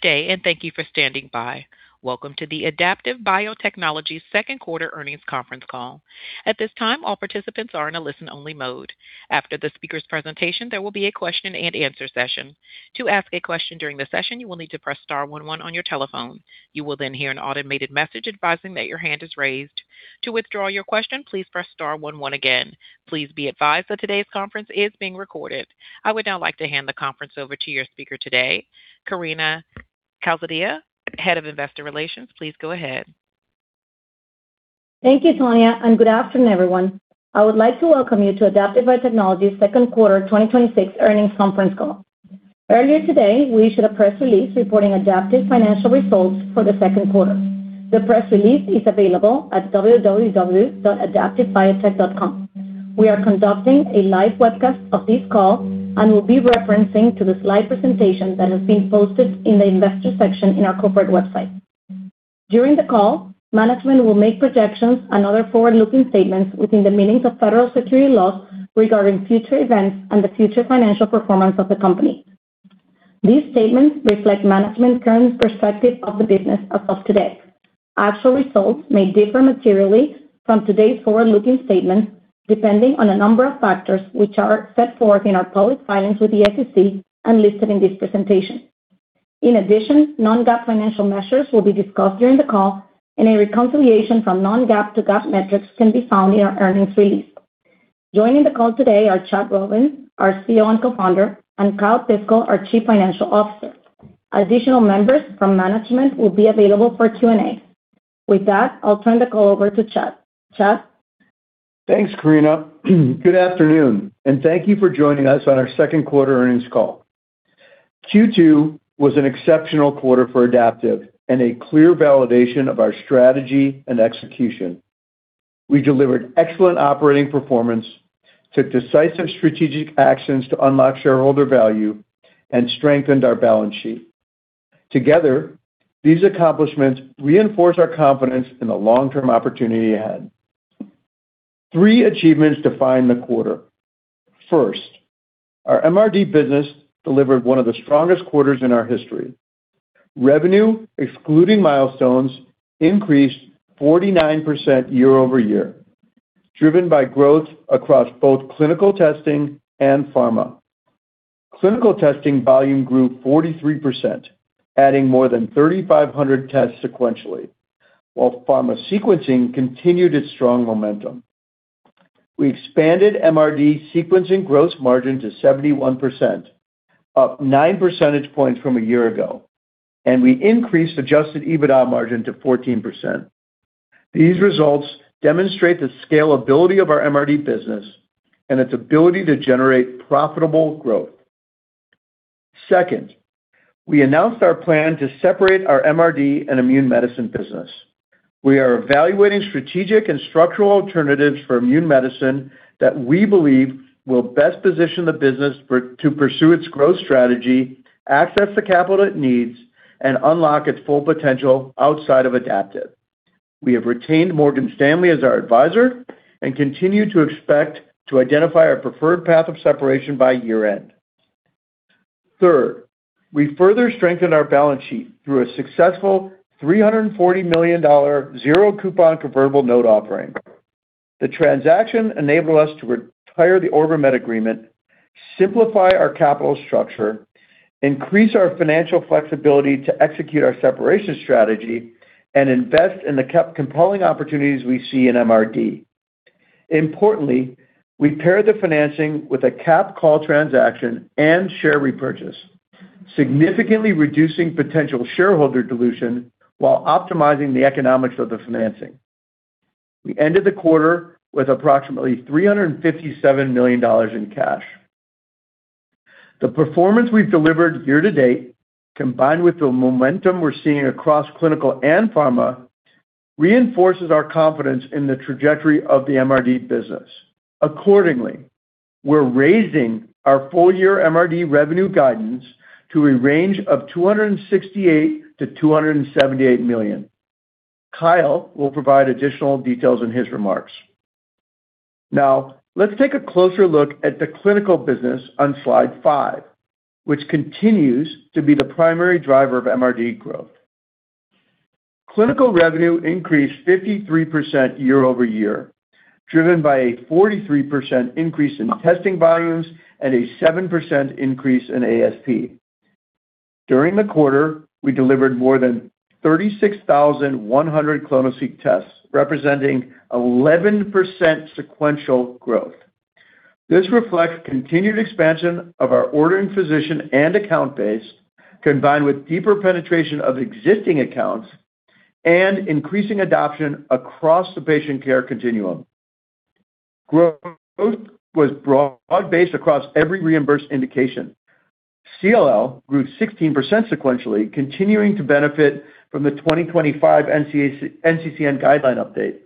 Good day, and thank you for standing by. Welcome to the Adaptive Biotechnologies second quarter earnings conference call. At this time, all participants are in a listen-only mode. After the speaker's presentation, there will be a question-and-answer session. To ask a question during the session, you will need to press star one one on your telephone. You will then hear an automated message advising that your hand is raised. To withdraw your question, please press star one one again. Please be advised that today's conference is being recorded. I would now like to hand the conference over to your speaker today, Karina Calzadilla, Head of Investor Relations. Please go ahead. Thank you, Sonia, and good afternoon, everyone. I would like to welcome you to Adaptive Biotechnologies' second quarter 2026 earnings conference call. Earlier today, we issued a press release reporting Adaptive's financial results for the second quarter. The press release is available at www.adaptivebiotech.com. We are conducting a live webcast of this call and will be referencing to the slide presentation that has been posted in the Investor section in our corporate website. During the call, management will make projections and other forward-looking statements within the meanings of federal securities laws regarding future events and the future financial performance of the company. These statements reflect management's current perspective of the business as of today. Actual results may differ materially from today's forward-looking statements, depending on a number of factors, which are set forth in our public filings with the SEC and listed in this presentation. In addition, Non-GAAP financial measures will be discussed during the call, and a reconciliation from Non-GAAP to GAAP metrics can be found in our earnings release. Joining the call today are Chad Robins, our CEO and Co-founder, and Kyle Piskel, our Chief Financial Officer. Additional members from management will be available for Q&A. With that, I'll turn the call over to Chad. Chad? Thanks, Karina. Good afternoon, and thank you for joining us on our second quarter earnings call. Q2 was an exceptional quarter for Adaptive and a clear validation of our strategy and execution. We delivered excellent operating performance, took decisive strategic actions to unlock shareholder value, and strengthened our balance sheet. Together, these accomplishments reinforce our confidence in the long-term opportunity ahead. Three achievements define the quarter. First, our MRD business delivered one of the strongest quarters in our history. Revenue, excluding milestones, increased 49% year-over-year, driven by growth across both clinical testing and pharma. Clinical testing volume grew 43%, adding more than 3,500 tests sequentially, while pharma sequencing continued its strong momentum. We expanded MRD sequencing gross margin to 71%, up nine percentage points from a year ago, and we increased adjusted EBITDA margin to 14%. These results demonstrate the scalability of our MRD business and its ability to generate profitable growth. Second, we announced our plan to separate our MRD and Immune Medicine business. We are evaluating strategic and structural alternatives for Immune Medicine that we believe will best position the business to pursue its growth strategy, access the capital it needs, and unlock its full potential outside of Adaptive. We have retained Morgan Stanley as our advisor and continue to expect to identify our preferred path of separation by year-end. Third, we further strengthened our balance sheet through a successful $340 million zero coupon convertible note offering. The transaction enabled us to retire the OrbiMed agreement, simplify our capital structure, increase our financial flexibility to execute our separation strategy, and invest in the compelling opportunities we see in MRD. Importantly, we paired the financing with a cap call transaction and share repurchase, significantly reducing potential shareholder dilution while optimizing the economics of the financing. We ended the quarter with approximately $357 million in cash. The performance we've delivered year-to-date, combined with the momentum we're seeing across clinical and pharma, reinforces our confidence in the trajectory of the MRD business. Accordingly, we're raising our full year MRD revenue guidance to a range of $268 million-$278 million. Kyle will provide additional details in his remarks. Now, let's take a closer look at the clinical business on slide five, which continues to be the primary driver of MRD growth. Clinical revenue increased 53% year-over-year, driven by a 43% increase in testing volumes and a 7% increase in ASP. During the quarter, we delivered more than 36,100 clonoSEQ tests, representing 11% sequential growth. This reflects continued expansion of our ordering physician and account base, combined with deeper penetration of existing accounts and increasing adoption across the patient care continuum. Growth was broad-based across every reimbursed indication. CLL grew 16% sequentially, continuing to benefit from the 2025 NCCN guideline update.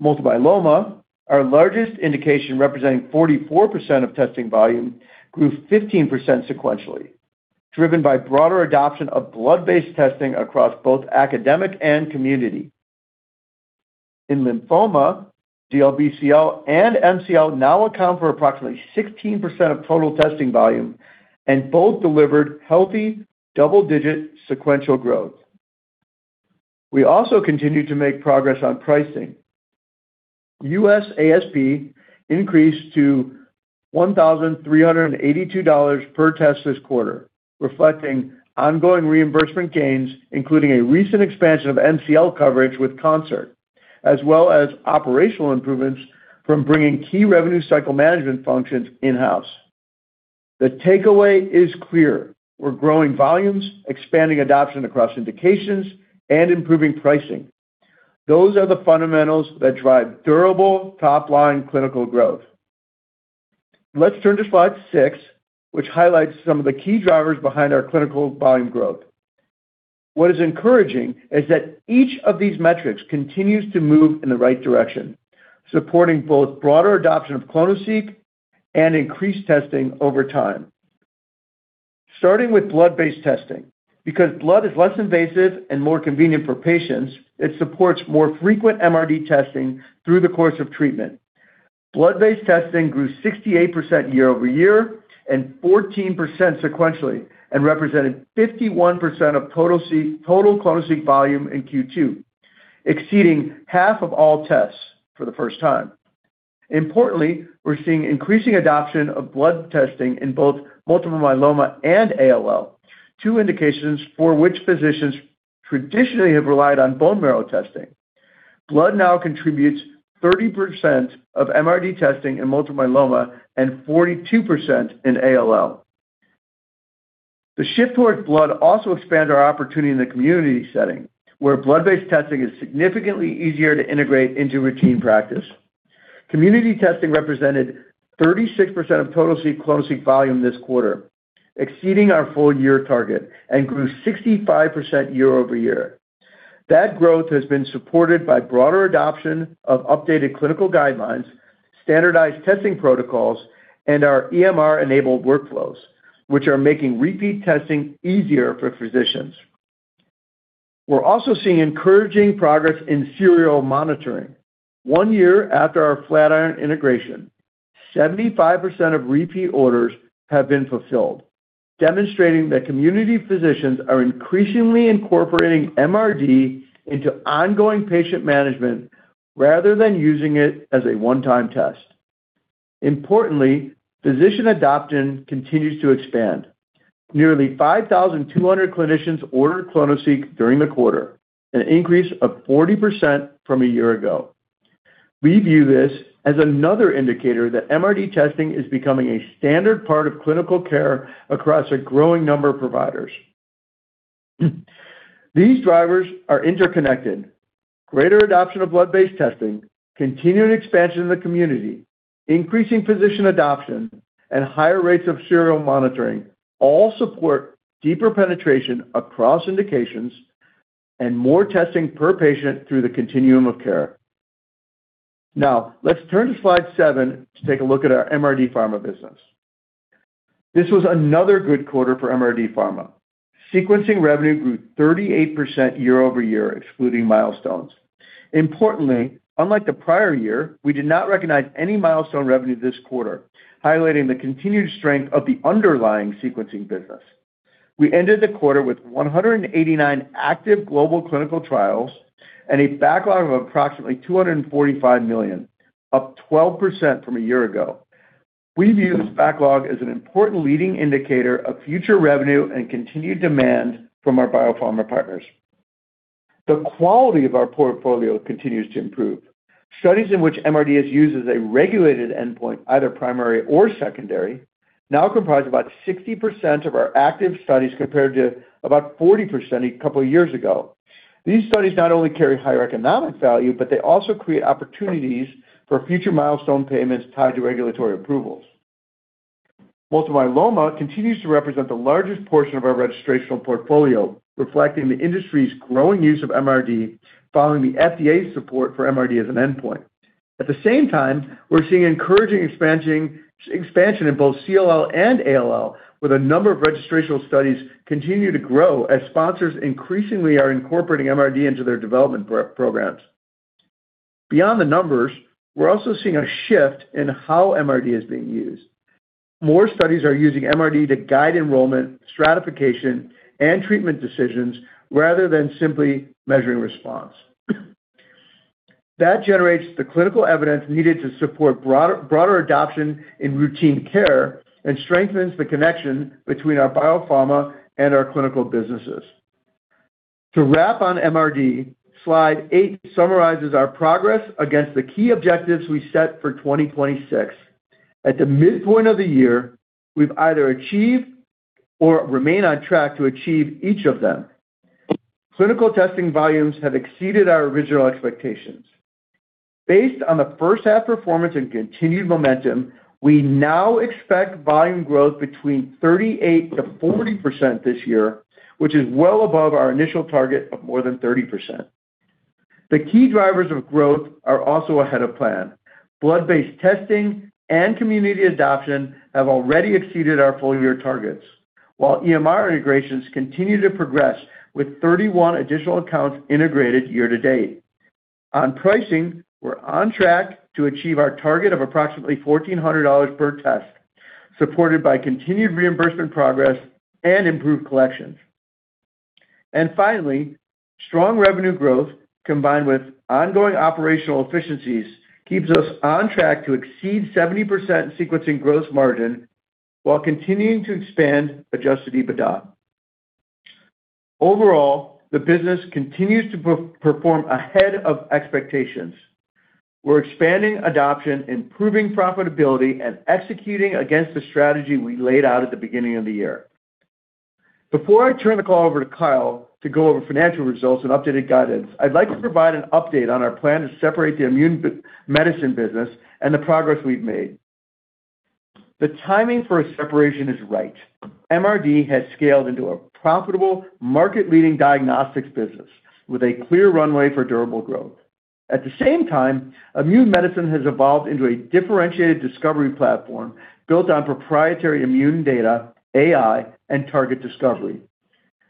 Multiple myeloma, our largest indication representing 44% of testing volume, grew 15% sequentially, driven by broader adoption of blood-based testing across both academic and community. In lymphoma, DLBCL and MCL now account for approximately 16% of total testing volume, and both delivered healthy double-digit sequential growth. We also continued to make progress on pricing. U.S. ASP increased to $1,382 per test this quarter, reflecting ongoing reimbursement gains, including a recent expansion of MCL coverage with Concert, as well as operational improvements from bringing key revenue cycle management functions in-house. The takeaway is clear. We're growing volumes, expanding adoption across indications, and improving pricing. Those are the fundamentals that drive durable top-line clinical growth. Let's turn to slide six, which highlights some of the key drivers behind our clinical volume growth. What is encouraging is that each of these metrics continues to move in the right direction, supporting both broader adoption of clonoSEQ and increased testing over time. Starting with blood-based testing, because blood is less invasive and more convenient for patients, it supports more frequent MRD testing through the course of treatment. Blood-based testing grew 68% year-over-year and 14% sequentially, and represented 51% of total clonoSEQ volume in Q2, exceeding half of all tests for the first time. Importantly, we're seeing increasing adoption of blood testing in both multiple myeloma and ALL, two indications for which physicians traditionally have relied on bone marrow testing. Blood now contributes 30% of MRD testing in multiple myeloma and 42% in ALL. The shift towards blood also expands our opportunity in the community setting, where blood-based testing is significantly easier to integrate into routine practice. Community testing represented 36% of total clonoSEQ volume this quarter, exceeding our full-year target, and grew 65% year-over-year. That growth has been supported by broader adoption of updated clinical guidelines, standardized testing protocols, and our EMR-enabled workflows, which are making repeat testing easier for physicians. We're also seeing encouraging progress in serial monitoring. One year after our Flatiron integration, 75% of repeat orders have been fulfilled, demonstrating that community physicians are increasingly incorporating MRD into ongoing patient management rather than using it as a one-time test. Importantly, physician adoption continues to expand. Nearly 5,200 clinicians ordered clonoSEQ during the quarter, an increase of 40% from a year ago. We view this as another indicator that MRD testing is becoming a standard part of clinical care across a growing number of providers. These drivers are interconnected. Greater adoption of blood-based testing, continuing expansion in the community, increasing physician adoption, and higher rates of serial monitoring all support deeper penetration across indications and more testing per patient through the continuum of care. Let's turn to slide seven to take a look at our MRD pharma business. This was another good quarter for MRD pharma. Sequencing revenue grew 38% year-over-year, excluding milestones. Importantly, unlike the prior year, we did not recognize any milestone revenue this quarter, highlighting the continued strength of the underlying sequencing business. We ended the quarter with 189 active global clinical trials and a backlog of approximately $245 million, up 12% from a year ago. We view this backlog as an important leading indicator of future revenue and continued demand from our biopharma partners. The quality of our portfolio continues to improve. Studies in which MRD is used as a regulated endpoint, either primary or secondary, now comprise about 60% of our active studies, compared to about 40% a couple of years ago. These studies not only carry higher economic value, but they also create opportunities for future milestone payments tied to regulatory approvals. Multiple myeloma continues to represent the largest portion of our registrational portfolio, reflecting the industry's growing use of MRD following the FDA's support for MRD as an endpoint. At the same time, we're seeing encouraging expansion in both CLL and ALL, with a number of registrational studies continue to grow as sponsors increasingly are incorporating MRD into their development programs. Beyond the numbers, we're also seeing a shift in how MRD is being used. More studies are using MRD to guide enrollment, stratification, and treatment decisions rather than simply measuring response. That generates the clinical evidence needed to support broader adoption in routine care and strengthens the connection between our biopharma and our clinical businesses. To wrap on MRD, slide eight summarizes our progress against the key objectives we set for 2026. At the midpoint of the year, we've either achieved or remain on track to achieve each of them. Clinical testing volumes have exceeded our original expectations. Based on the first half performance and continued momentum, we now expect volume growth between 38%-40% this year, which is well above our initial target of more than 30%. The key drivers of growth are also ahead of plan. Blood-based testing and community adoption have already exceeded our full-year targets, while EMR integrations continue to progress with 31 additional accounts integrated year to date. On pricing, we're on track to achieve our target of approximately $1,400 per test, supported by continued reimbursement progress and improved collections. Finally, strong revenue growth combined with ongoing operational efficiencies, keeps us on track to exceed 70% in sequencing gross margin while continuing to expand adjusted EBITDA. Overall, the business continues to perform ahead of expectations. We're expanding adoption, improving profitability, and executing against the strategy we laid out at the beginning of the year. Before I turn the call over to Kyle to go over financial results and updated guidance, I'd like to provide an update on our plan to separate the Immune Medicine business and the progress we've made. The timing for a separation is right. MRD has scaled into a profitable, market-leading diagnostics business with a clear runway for durable growth. At the same time, Immune Medicine has evolved into a differentiated discovery platform built on proprietary immune data, AI, and target discovery.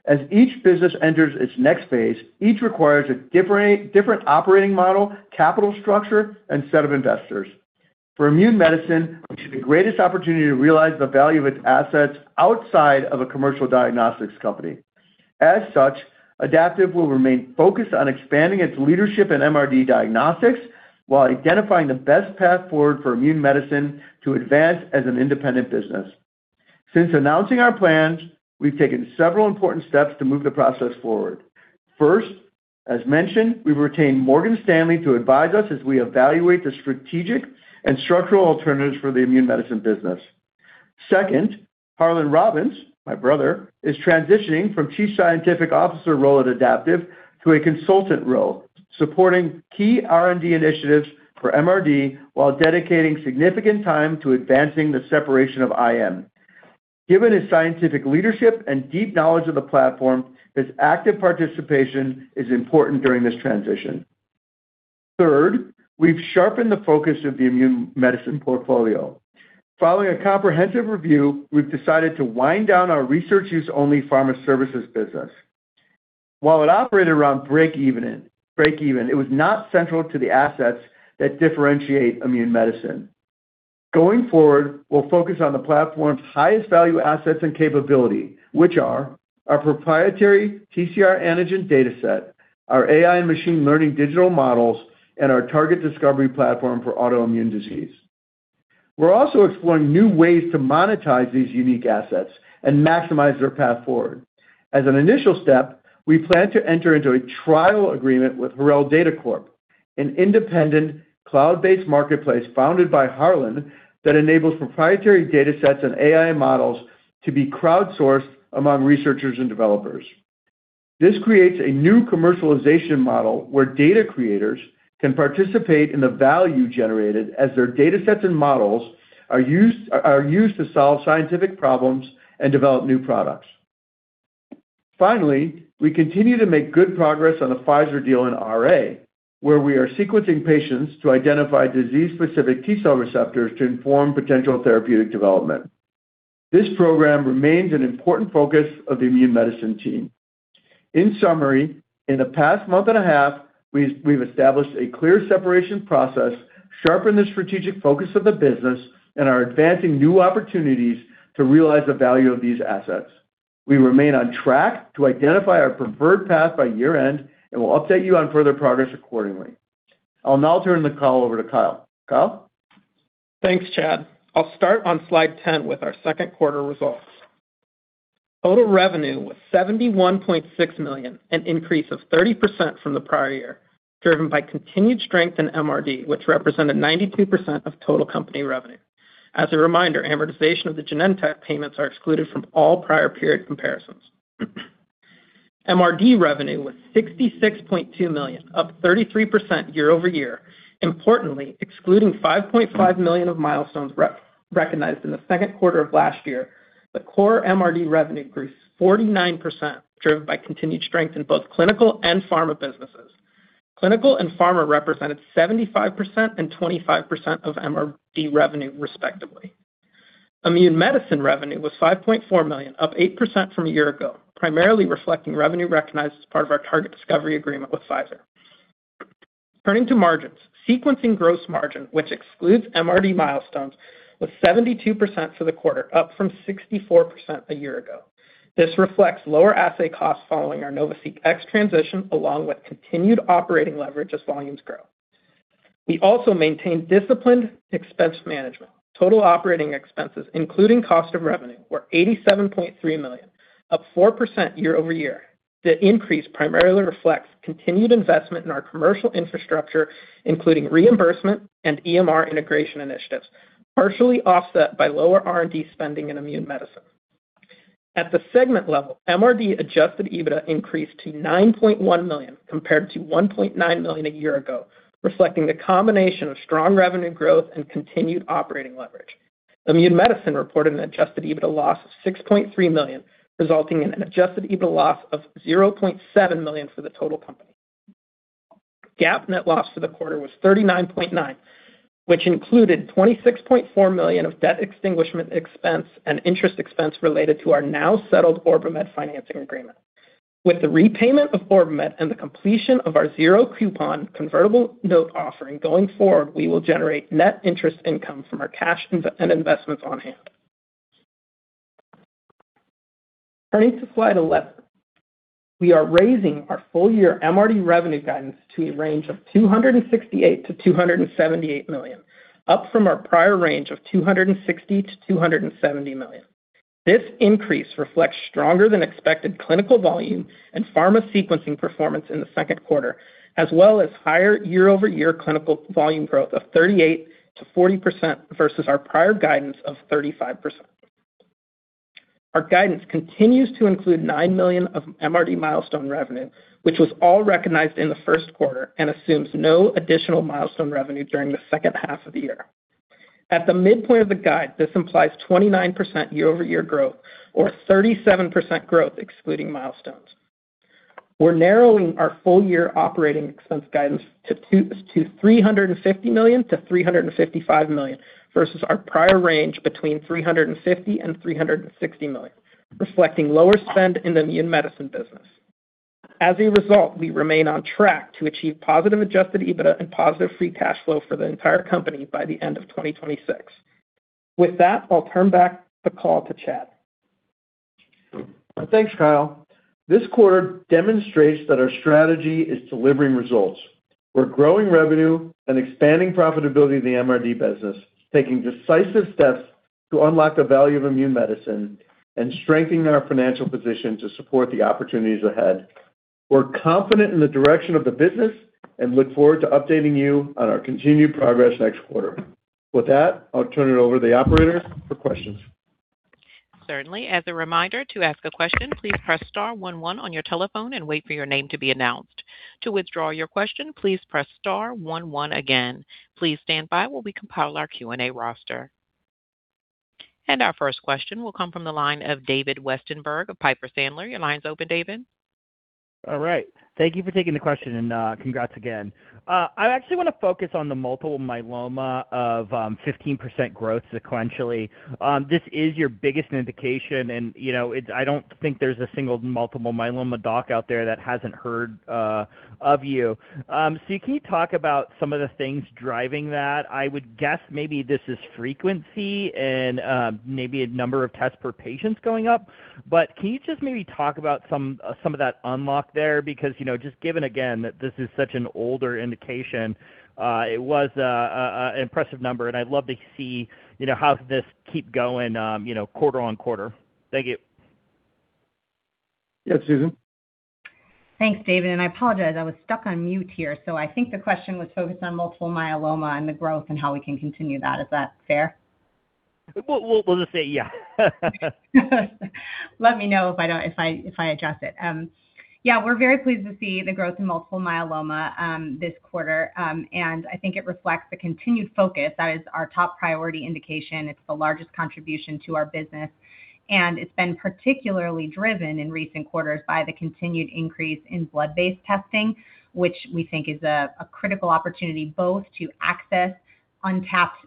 As each business enters its next phase, each requires a different operating model, capital structure, and set of investors. For Immune Medicine, we see the greatest opportunity to realize the value of its assets outside of a commercial diagnostics company. As such, Adaptive will remain focused on expanding its leadership in MRD diagnostics, while identifying the best path forward for Immune Medicine to advance as an independent business. Since announcing our plans, we've taken several important steps to move the process forward. First, as mentioned, we've retained Morgan Stanley to advise us as we evaluate the strategic and structural alternatives for the Immune Medicine business. Second, Harlan Robins, my brother, is transitioning from Chief Scientific Officer role at Adaptive to a consultant role, supporting key R&D initiatives for MRD while dedicating significant time to advancing the separation of IM. Given his scientific leadership and deep knowledge of the platform, his active participation is important during this transition. Third, we've sharpened the focus of the Immune Medicine portfolio. Following a comprehensive review, we've decided to wind down our research use only pharma services business. While it operated around break even, it was not central to the assets that differentiate Immune Medicine. Going forward, we'll focus on the platform's highest value assets and capability, which are our proprietary TCR antigen data set, our AI and machine learning digital models, and our target discovery platform for autoimmune disease. We're also exploring new ways to monetize these unique assets and maximize their path forward. As an initial step, we plan to enter into a trial agreement with Harrell Data Corp, an independent cloud-based marketplace founded by Harlan that enables proprietary data sets and AI models to be crowdsourced among researchers and developers. This creates a new commercialization model where data creators can participate in the value generated as their data sets and models are used to solve scientific problems and develop new products. Finally, we continue to make good progress on the Pfizer deal in RA, where we are sequencing patients to identify disease-specific T cell receptors to inform potential therapeutic development. This program remains an important focus of the Immune Medicine team. In summary, in the past month and a half, we've established a clear separation process, sharpened the strategic focus of the business, and are advancing new opportunities to realize the value of these assets. We remain on track to identify our preferred path by year-end, and we'll update you on further progress accordingly. I'll now turn the call over to Kyle. Kyle? Thanks, Chad. I'll start on slide 10 with our second quarter results. Total revenue was $71.6 million, an increase of 30% from the prior year, driven by continued strength in MRD, which represented 92% of total company revenue. As a reminder, amortization of the Genentech payments are excluded from all prior period comparisons. MRD revenue was $66.2 million, up 33% year-over-year. Importantly, excluding $5.5 million of milestones recognized in the second quarter of last year, the core MRD revenue grew 49%, driven by continued strength in both clinical and pharma businesses. Clinical and pharma represented 75% and 25% of MRD revenue, respectively. Immune Medicine revenue was $5.4 million, up 8% from a year ago, primarily reflecting revenue recognized as part of our target discovery agreement with Pfizer. Turning to margins, sequencing gross margin, which excludes MRD milestones, was 72% for the quarter, up from 64% a year ago. This reflects lower assay costs following our NovaSeq X transition, along with continued operating leverage as volumes grow. We also maintained disciplined expense management. Total operating expenses, including cost of revenue, were $87.3 million, up 4% year-over-year. The increase primarily reflects continued investment in our commercial infrastructure, including reimbursement and EMR integration initiatives, partially offset by lower R&D spending in Immune Medicine. At the segment level, MRD adjusted EBITDA increased to $9.1 million compared to $1.9 million a year ago, reflecting the combination of strong revenue growth and continued operating leverage. Immune Medicine reported an adjusted EBITDA loss of $6.3 million, resulting in an adjusted EBITDA loss of $0.7 million for the total company. GAAP net loss for the quarter was $39.9 million, which included $26.4 million of debt extinguishment expense and interest expense related to our now settled OrbiMed financing agreement. With the repayment of OrbiMed and the completion of our zero coupon convertible note offering, going forward, we will generate net interest income from our cash and investments on hand. Turning to slide 11. We are raising our full year MRD revenue guidance to a range of $268 million-$278 million, up from our prior range of $260 million-$270 million. This increase reflects stronger than expected clinical volume and pharma sequencing performance in the second quarter, as well as higher year-over-year clinical volume growth of 38%-40% versus our prior guidance of 35%. Our guidance continues to include $9 million of MRD milestone revenue, which was all recognized in the first quarter and assumes no additional milestone revenue during the second half of the year. At the midpoint of the guide, this implies 29% year-over-year growth or 37% growth excluding milestones. We're narrowing our full-year operating expense guidance to $350 million-$355 million versus our prior range between $350 million and $360 million, reflecting lower spend in the Immune Medicine business. As a result, we remain on track to achieve positive adjusted EBITDA and positive free cash flow for the entire company by the end of 2026. With that, I'll turn back the call to Chad. Thanks, Kyle. This quarter demonstrates that our strategy is delivering results. We're growing revenue and expanding profitability of the MRD business, taking decisive steps to unlock the value of Immune Medicine and strengthening our financial position to support the opportunities ahead. We're confident in the direction of the business and look forward to updating you on our continued progress next quarter. With that, I'll turn it over to the operator for questions. Certainly. As a reminder, to ask a question, please press star one one on your telephone and wait for your name to be announced. To withdraw your question, please press star one one again. Please stand by while we compile our Q&A roster. Our first question will come from the line of David Westenberg of Piper Sandler. Your line's open, David. All right. Thank you for taking the question and congrats again. I actually want to focus on the multiple myeloma of 15% growth sequentially. This is your biggest indication, and I don't think there's a single multiple myeloma doc out there that hasn't heard of you. Can you talk about some of the things driving that? I would guess maybe this is frequency and maybe a number of tests per patients going up. Can you just maybe talk about some of that unlock there? Because just given, again, that this is such an older indication, it was an impressive number, and I'd love to see how this keep going quarter-on-quarter. Thank you. Yeah. Susan? Thanks, David. I apologize, I was stuck on mute here. I think the question was focused on multiple myeloma and the growth and how we can continue that. Is that fair? We'll just say yeah. Let me know if I don't address it. Yeah, we're very pleased to see the growth in multiple myeloma this quarter. I think it reflects the continued focus. That is our top priority indication. It's the largest contribution to our business. It's been particularly driven in recent quarters by the continued increase in blood-based testing, which we think is a critical opportunity both to access untapped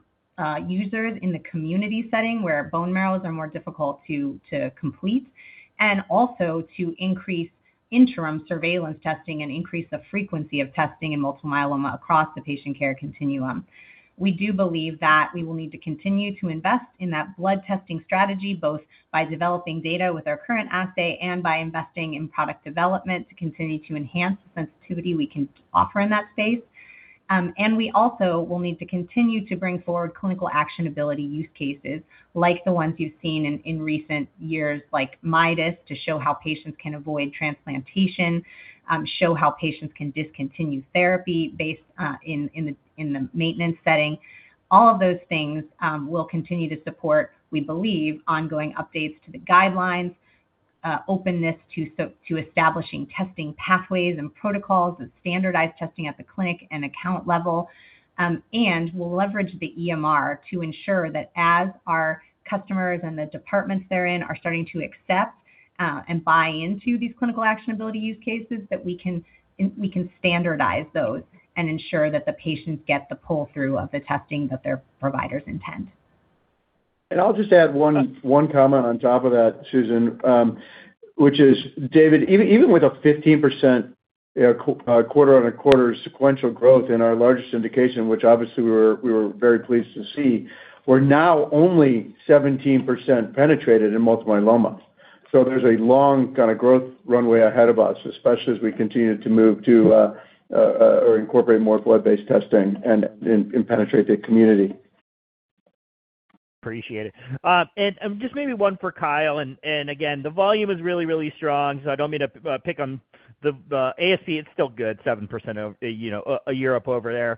users in the community setting where bone marrows are more difficult to complete and also to increase interim surveillance testing and increase the frequency of testing in multiple myeloma across the patient care continuum. We do believe that we will need to continue to invest in that blood testing strategy, both by developing data with our current assay and by investing in product development to continue to enhance the sensitivity we can offer in that space. We also will need to continue to bring forward clinical actionability use cases like the ones you've seen in recent years, like MIDAS, to show how patients can avoid transplantation, show how patients can discontinue therapy based in the maintenance setting. All of those things will continue to support, we believe, ongoing updates to the guidelines, openness to establishing testing pathways and protocols and standardized testing at the clinic and account level, and will leverage the EMR to ensure that as our customers and the departments they're in are starting to accept and buy into these clinical actionability use cases, that we can standardize those and ensure that the patients get the pull-through of the testing that their providers intend. I'll just add one comment on top of that, Susan, which is, David, even with a 15% quarter-on-quarter sequential growth in our largest indication, which obviously we were very pleased to see, we're now only 17% penetrated in multiple myeloma. There's a long growth runway ahead of us, especially as we continue to move to or incorporate more blood-based testing and penetrate the community. Appreciate it. Just maybe one for Kyle, again, the volume is really, really strong, I don't mean to pick on the ASP, it's still good, 7% a year up over there.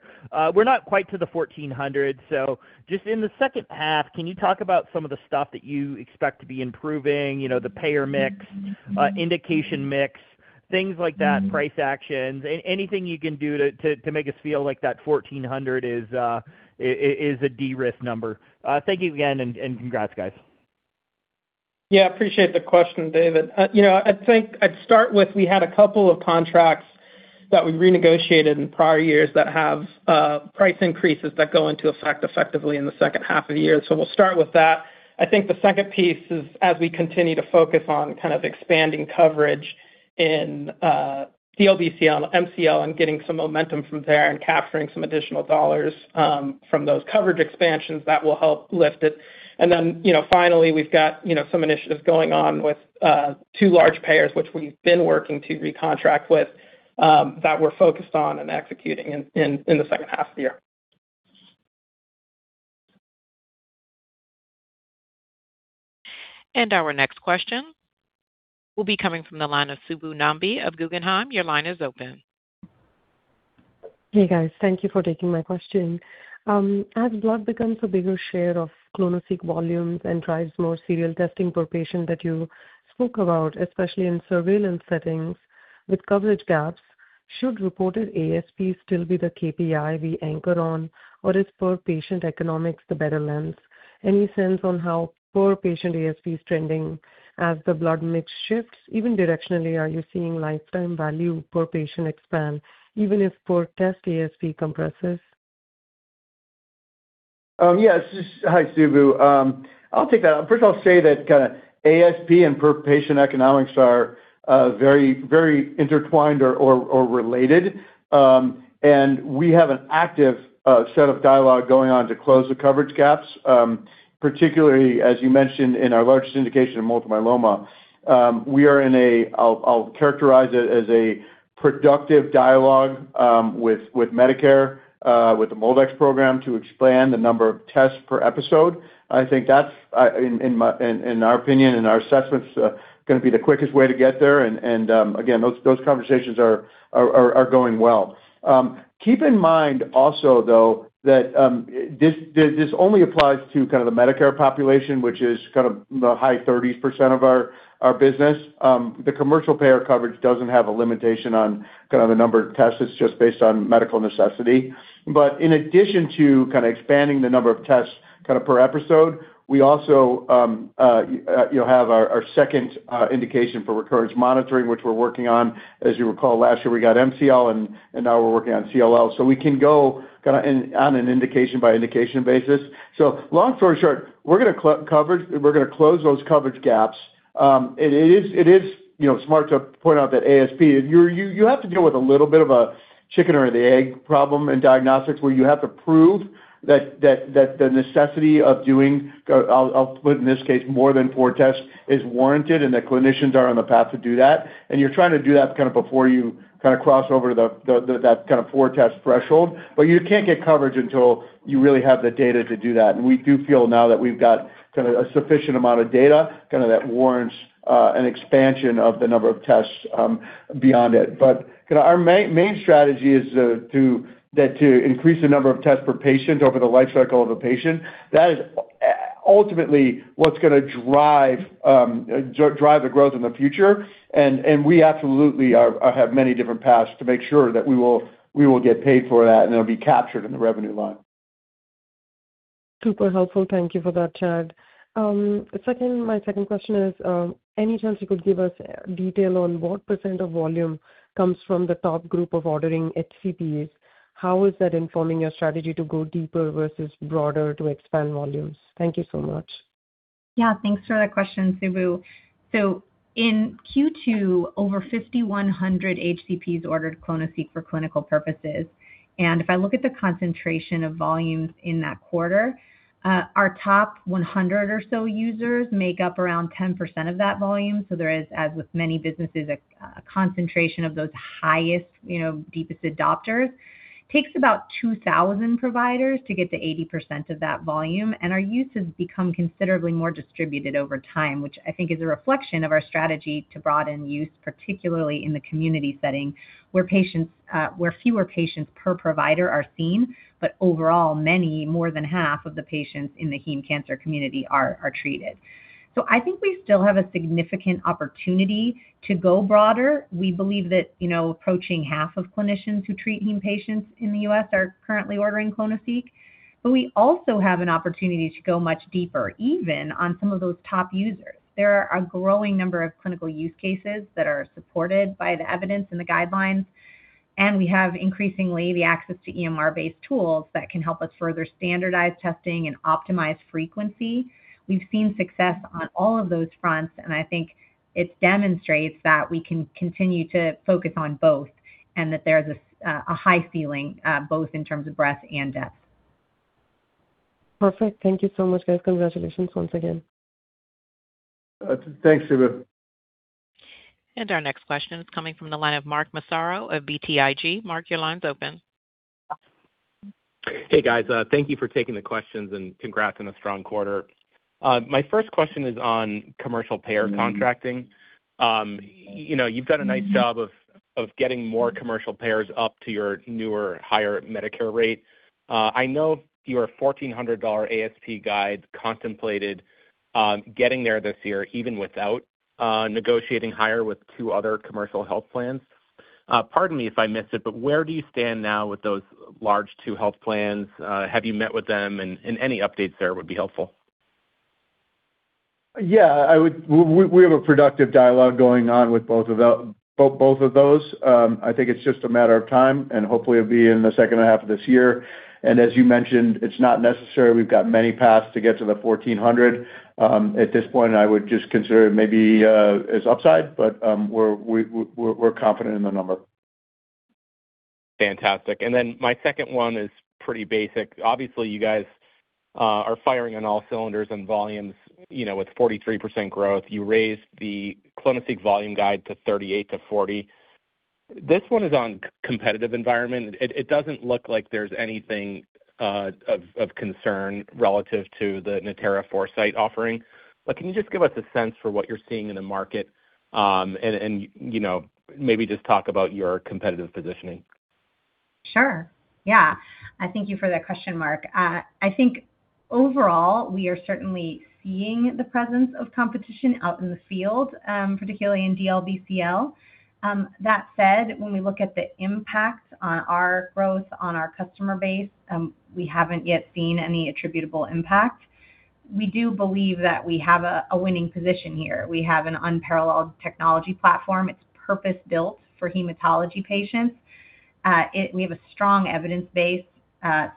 We're not quite to the $1,400, just in the second half, can you talk about some of the stuff that you expect to be improving, the payer mix, indication mix things like that, price actions, anything you can do to make us feel like that $1,400 is a de-risk number. Thank you again, and congrats, guys. Yeah, appreciate the question, David. I think I'd start with, we had a couple of contracts that we renegotiated in prior years that have price increases that go into effect effectively in the second half of the year. We'll start with that. I think the second piece is as we continue to focus on expanding coverage in DLBCL, MCL, and getting some momentum from there and capturing some additional dollars from those coverage expansions, that will help lift it. Finally, we've got some initiatives going on with two large payers, which we've been working to recontract with, that we're focused on and executing in the second half of the year. Our next question will be coming from the line of Subbu Nambi of Guggenheim. Your line is open. Hey, guys. Thank you for taking my question. As blood becomes a bigger share of clonoSEQ volumes and drives more serial testing per patient that you spoke about, especially in surveillance settings with coverage gaps, should reported ASP still be the KPI we anchor on, or is per-patient economics the better lens? Any sense on how per-patient ASP is trending as the blood mix shifts? Even directionally, are you seeing lifetime value per patient expand, even if per-test ASP compresses? Yes. Hi, Subbu. I'll take that. First, I'll say that kind of ASP and per-patient economics are very intertwined or related. We have an active set of dialogue going on to close the coverage gaps, particularly, as you mentioned, in our largest indication of multiple myeloma. We are in a, I'll characterize it as a productive dialogue with Medicare, with the MolDX program, to expand the number of tests per episode. I think that's, in our opinion and our assessments, going to be the quickest way to get there, and again, those conversations are going well. Keep in mind also, though, that this only applies to the Medicare population, which is the high 30s% of our business. The commercial payer coverage doesn't have a limitation on the number of tests. It's just based on medical necessity. In addition to expanding the number of tests per episode, we also have our second indication for recurrence monitoring, which we're working on. As you recall, last year, we got MCL, and now we're working on CLL. We can go on an indication-by-indication basis. Long story short, we're going to close those coverage gaps. It is smart to point out that ASP, you have to deal with a little bit of a chicken or the egg problem in diagnostics, where you have to prove that the necessity of doing, I'll put in this case, more than four tests is warranted and that clinicians are on the path to do that. You're trying to do that before you cross over that four-test threshold. You can't get coverage until you really have the data to do that, we do feel now that we've got a sufficient amount of data that warrants an expansion of the number of tests beyond it. Our main strategy is to increase the number of tests per patient over the life cycle of a patient. That is ultimately what's going to drive the growth in the future, we absolutely have many different paths to make sure that we will get paid for that and it'll be captured in the revenue line. Super helpful. Thank you for that, Chad. My second question is, any chance you could give us detail on what % of volume comes from the top group of ordering HCPs? How is that informing your strategy to go deeper versus broader to expand volumes? Thank you so much. Thanks for that question, Subbu. In Q2, over 5,100 HCPs ordered clonoSEQ for clinical purposes. If I look at the concentration of volumes in that quarter, our top 100 or so users make up around 10% of that volume. There is, as with many businesses, a concentration of those highest, deepest adopters. Takes about 2,000 providers to get to 80% of that volume, our use has become considerably more distributed over time, which I think is a reflection of our strategy to broaden use, particularly in the community setting, where fewer patients per provider are seen, but overall, many, more than half of the patients in the heme cancer community are treated. I think we still have a significant opportunity to go broader. We believe that approaching half of clinicians who treat heme patients in the U.S. are currently ordering clonoSEQ. We also have an opportunity to go much deeper, even on some of those top users. There are a growing number of clinical use cases that are supported by the evidence and the guidelines. We have increasingly the access to EMR-based tools that can help us further standardize testing and optimize frequency. We've seen success on all of those fronts. I think it demonstrates that we can continue to focus on both, that there is a high ceiling, both in terms of breadth and depth. Perfect. Thank you so much, guys. Congratulations once again. Thanks, Subbu. Our next question is coming from the line of Mark Massaro of BTIG. Mark, your line's open. Hey, guys. Thank you for taking the questions and congrats on a strong quarter. My first question is on commercial payer contracting. You've done a nice job of getting more commercial payers up to your newer, higher Medicare rate. I know your $1,400 ASP guide contemplated getting there this year, even without negotiating higher with two other commercial health plans. Pardon me if I missed it, where do you stand now with those large two health plans? Have you met with them? Any updates there would be helpful. Yeah, we have a productive dialogue going on with both of those. I think it's just a matter of time, hopefully it'll be in the second half of this year. As you mentioned, it's not necessary. We've got many paths to get to the $1,400. At this point, I would just consider it maybe as upside, we're confident in the number. Fantastic. My second one is pretty basic. Obviously, you guys are firing on all cylinders and volumes. With 43% growth, you raised the clonoSEQ volume guide to 38%-40%. This one is on competitive environment. It doesn't look like there's anything of concern relative to the Natera Foresight offering. Can you just give us a sense for what you're seeing in the market, and maybe just talk about your competitive positioning? Sure. Yeah. Thank you for that question, Mark. I think overall, we are certainly seeing the presence of competition out in the field, particularly in DLBCL. That said, when we look at the impact on our growth on our customer base, we haven't yet seen any attributable impact. We do believe that we have a winning position here. We have an unparalleled technology platform. It's purpose-built for hematology patients. We have a strong evidence base,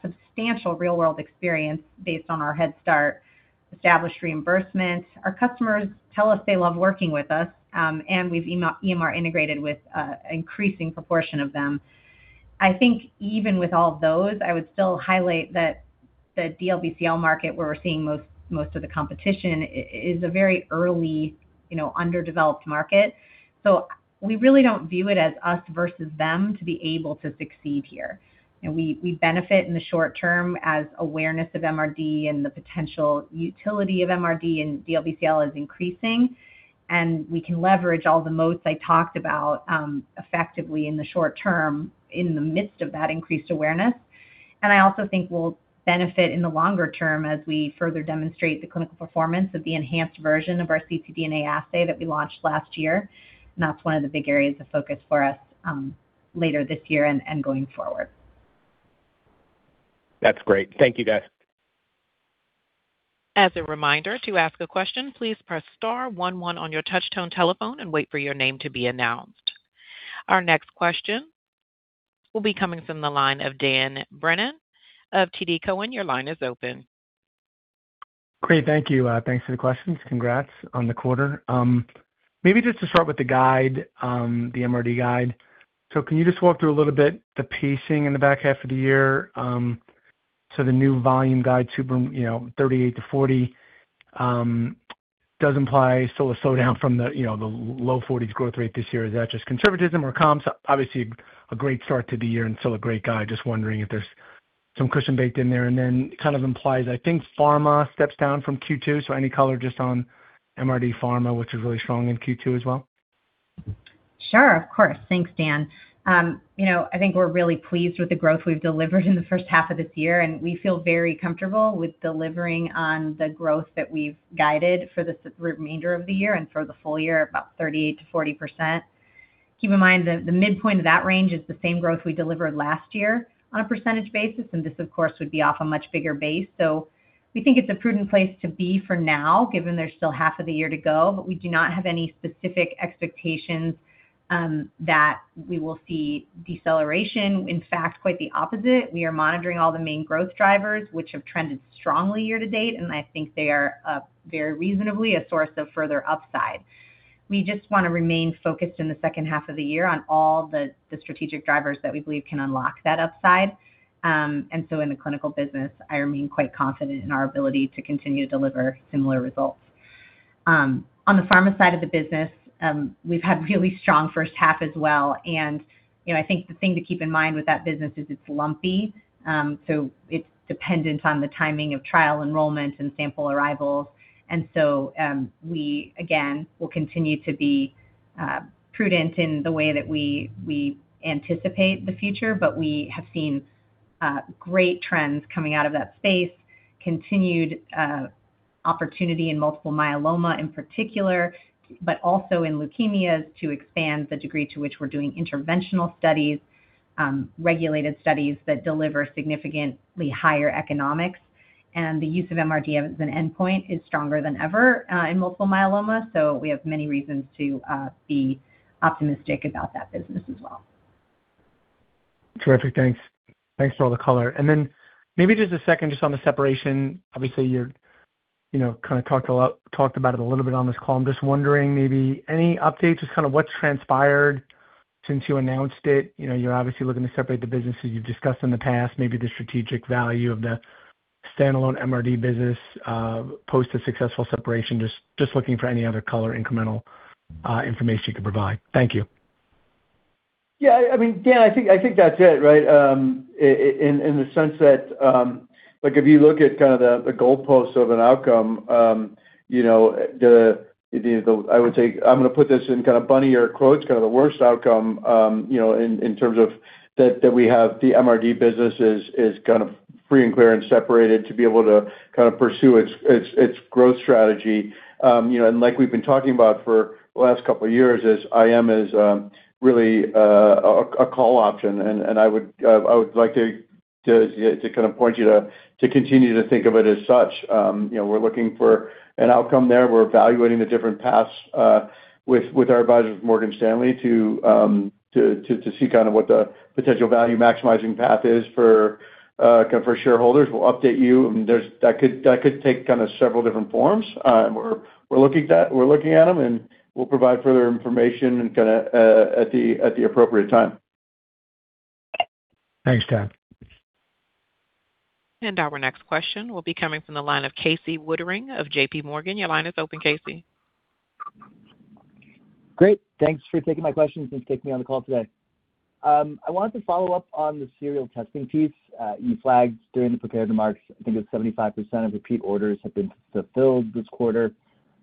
substantial real-world experience based on our Headstart established reimbursements. Our customers tell us they love working with us, we've EMR integrated with increasing proportion of them. I think even with all of those, I would still highlight that the DLBCL market, where we're seeing most of the competition is a very early underdeveloped market. We really don't view it as us versus them to be able to succeed here. We benefit in the short term as awareness of MRD and the potential utility of MRD and DLBCL is increasing, and we can leverage all the modes I talked about effectively in the short term in the midst of that increased awareness. I also think we'll benefit in the longer term as we further demonstrate the clinical performance of the enhanced version of our ctDNA assay that we launched last year, and that's one of the big areas of focus for us later this year and going forward. That's great. Thank you, guys. As a reminder, to ask a question, please press star 11 on your touchtone telephone and wait for your name to be announced. Our next question will be coming from the line of Dan Brennan of TD Cowen. Your line is open. Great. Thank you. Thanks for the questions. Congrats on the quarter. Maybe just to start with the guide, the MRD guide. Can you just walk through a little bit the pacing in the back half of the year? The new volume guide, 38-40, does imply still a slowdown from the low 40s growth rate this year. Is that just conservatism or comps? Obviously, a great start to the year and still a great guide. Just wondering if there's some cushion baked in there, and then kind of implies, I think pharma steps down from Q2, any color just on MRD pharma, which was really strong in Q2 as well. Sure, of course. Thanks, Dan. I think we're really pleased with the growth we've delivered in the first half of this year, and we feel very comfortable with delivering on the growth that we've guided for the remainder of the year and for the full year, about 38%-40%. Keep in mind, the midpoint of that range is the same growth we delivered last year on a percentage basis, and this, of course, would be off a much bigger base. We think it's a prudent place to be for now, given there's still half of the year to go, but we do not have any specific expectations that we will see deceleration. In fact, quite the opposite. We are monitoring all the main growth drivers, which have trended strongly year-to-date, and I think they are very reasonably a source of further upside. We just want to remain focused in the second half of the year on all the strategic drivers that we believe can unlock that upside. In the clinical business, I remain quite confident in our ability to continue to deliver similar results. On the pharma side of the business, we've had really strong first half as well, and I think the thing to keep in mind with that business is it's lumpy, so it's dependent on the timing of trial enrollments and sample arrivals. We, again, will continue to be prudent in the way that we anticipate the future, but we have seen great trends coming out of that space, continued opportunity in multiple myeloma in particular, but also in leukemias to expand the degree to which we're doing interventional studies, regulated studies that deliver significantly higher economics. The use of MRD as an endpoint is stronger than ever in multiple myeloma. We have many reasons to be optimistic about that business as well. Terrific. Thanks. Thanks for all the color. Maybe just a second just on the separation. Obviously, you talked about it a little bit on this call. I'm just wondering maybe any updates, just what transpired since you announced it. You're obviously looking to separate the businesses you've discussed in the past, maybe the strategic value of the standalone MRD business, post a successful separation. Just looking for any other color, incremental information you could provide. Thank you. I mean, Dan, I think that's it, right? In the sense that, if you look at the goalposts of an outcome, I would say I'm going to put this in kind of funnier quotes, the worst outcome, in terms of that we have the MRD business is going to Free and clear and separated to be able to pursue its growth strategy. Like we've been talking about for the last couple of years is, IM is really a call option and I would like to point you to continue to think of it as such. We're looking for an outcome there. We're evaluating the different paths with our advisors at Morgan Stanley to see what the potential value maximizing path is for shareholders. We'll update you. That could take several different forms. We're looking at them and we'll provide further information at the appropriate time. Thanks, Dan. Our next question will be coming from the line of Casey Woodring of JPMorgan. Your line is open, Casey. Thanks for taking my questions and for taking me on the call today. I wanted to follow up on the serial testing piece you flagged during the prepared remarks. I think it's 75% of repeat orders have been fulfilled this quarter.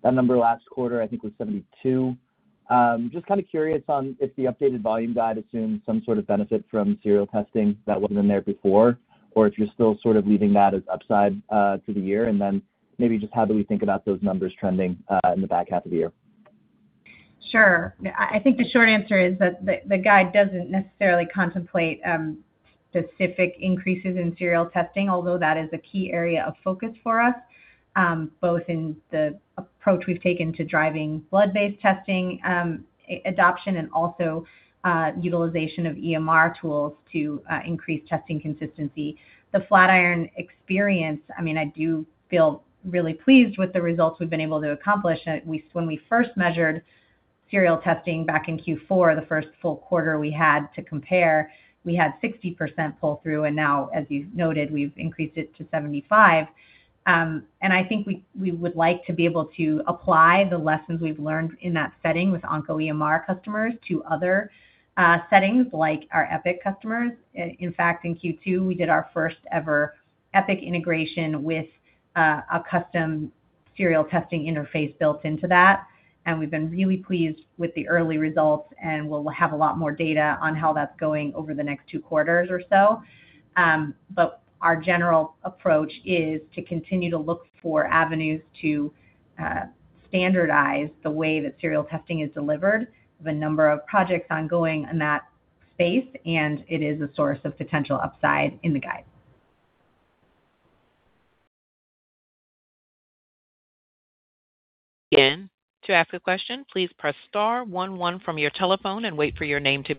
That number last quarter, I think was 72. Just curious on if the updated volume guide assumes some sort of benefit from serial testing that wasn't in there before, or if you're still leaving that as upside to the year, maybe just how do we think about those numbers trending in the back half of the year? Sure. I think the short answer is that the guide doesn't necessarily contemplate specific increases in serial testing, although that is a key area of focus for us, both in the approach we've taken to driving blood-based testing adoption and also utilization of EMR tools to increase testing consistency. The Flatiron experience, I do feel really pleased with the results we've been able to accomplish. When we first measured serial testing back in Q4, the first full quarter we had to compare, we had 60% pull-through, and now as you've noted, we've increased it to 75%. I think we would like to be able to apply the lessons we've learned in that setting with OncoEMR customers to other settings like our Epic customers. In fact, in Q2, we did our first ever Epic integration with a custom serial testing interface built into that, and we've been really pleased with the early results and we'll have a lot more data on how that's going over the next two quarters or so. Our general approach is to continue to look for avenues to standardize the way that serial testing is delivered. We have a number of projects ongoing in that space, and it is a source of potential upside in the guide. Again, to ask a question, please press star one one from your telephone and wait for your name to.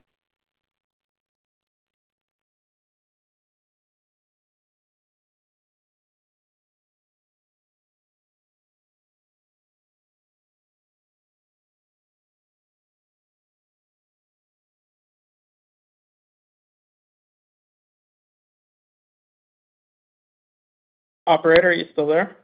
Operator, are you still there?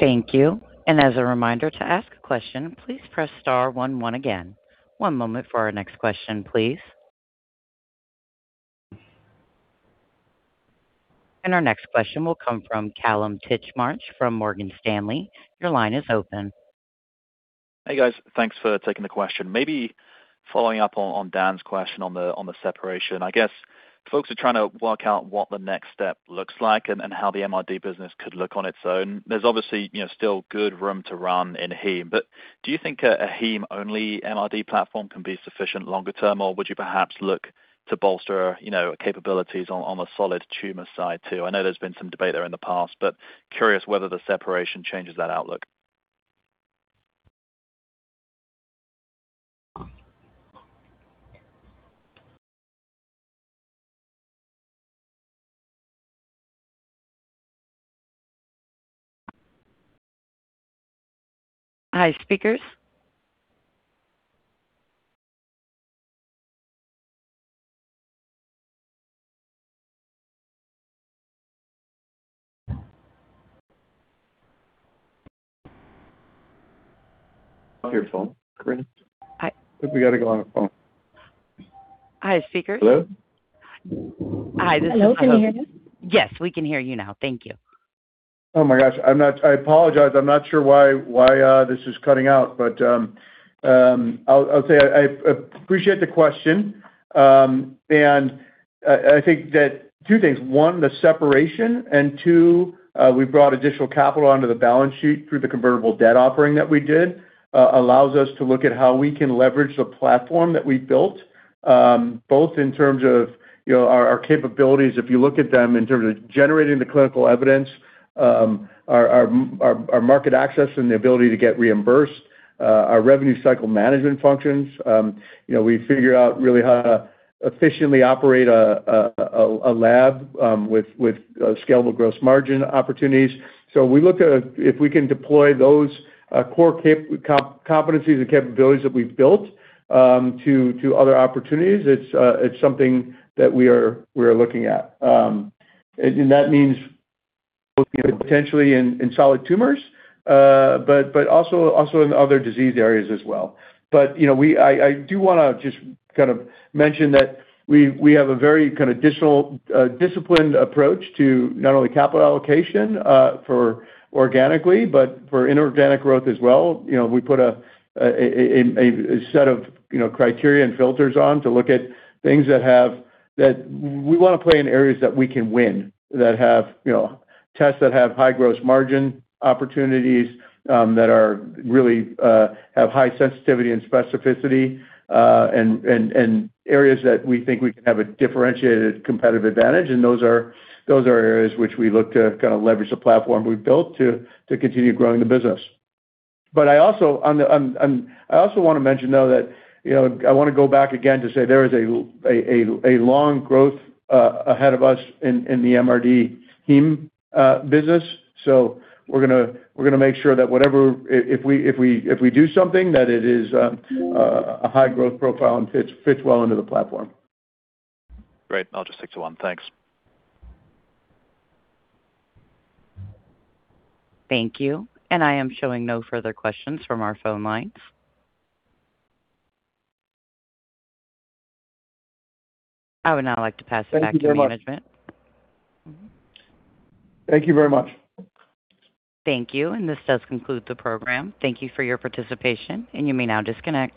Thank you. As a reminder to ask a question, please press star one one again. One moment for our next question, please. Our next question will come from Kallum Titchmarsh from Morgan Stanley. Your line is open. Hey, guys. Thanks for taking the question. Maybe following up on Dan's question on the separation, I guess folks are trying to work out what the next step looks like and how the MRD business could look on its own. There's obviously still good room to run in heme, do you think a heme-only MRD platform can be sufficient longer term, or would you perhaps look to bolster capabilities on the solid tumor side, too? I know there's been some debate there in the past, curious whether the separation changes that outlook. Hi, speakers? On your phone, Karina? I- We got to go on a phone. Hi, speaker. Hello? Hi, this is. Hello, can you hear me? Yes, we can hear you now. Thank you. Oh my gosh, I apologize. I'm not sure why this is cutting out. I'll say I appreciate the question, and I think that two things, one, the separation, and two, we brought additional capital onto the balance sheet through the convertible debt offering that we did, allows us to look at how we can leverage the platform that we've built, both in terms of our capabilities, if you look at them in terms of generating the clinical evidence, our market access and the ability to get reimbursed, our revenue cycle management functions. We figure out really how to efficiently operate a lab with scalable gross margin opportunities. We look at if we can deploy those core competencies and capabilities that we've built to other opportunities, it's something that we are looking at. That means both potentially in solid tumors, but also in other disease areas as well. I do want to just mention that we have a very disciplined approach to not only capital allocation for organically, but for inorganic growth as well. We put a set of criteria and filters on to look at things that we want to play in areas that we can win, that have tests that have high gross margin opportunities, that really have high sensitivity and specificity, and areas that we think we can have a differentiated competitive advantage, and those are areas which we look to leverage the platform we've built to continue growing the business. I also want to mention, though, that I want to go back again to say there is a long growth ahead of us in the MRD heme business. We're going to make sure that if we do something, that it is a high growth profile and fits well into the platform. Great. I'll just stick to one. Thanks. Thank you. I am showing no further questions from our phone lines. I would now like to pass it back to management. Thank you very much. Thank you, and this does conclude the program. Thank you for your participation, and you may now disconnect.